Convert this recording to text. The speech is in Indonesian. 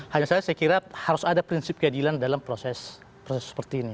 hanya saja saya kira harus ada prinsip keadilan dalam proses proses seperti ini